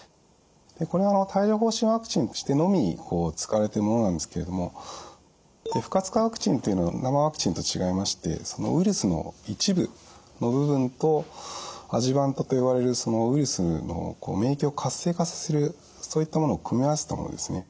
これは帯状ほう疹ワクチンとしてのみ使われているものなんですけれども不活化ワクチンというのは生ワクチンと違いましてウイルスの一部の部分とアジュバントと呼ばれるウイルスの免疫を活性化させるそういったものを組み合わせたものですね。